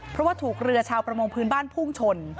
เพราะว่าถูกเรือชาวประมงพื้นบ้านพุ่งชน